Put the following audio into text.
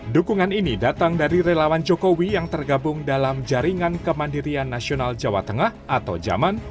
dukungan ini datang dari relawan jokowi yang tergabung dalam jaringan kemandirian nasional jawa tengah atau jaman